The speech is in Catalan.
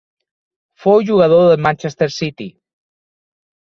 Fou jugador del Manchester City.